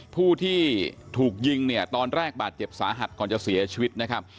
ผู้ที่ถูกยิงเนี่ยตอนแรกบาดเจ็บสาหัสก่อนจะเสียชีวิตนะครับ